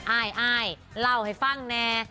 อายเล่าให้ฟังแน่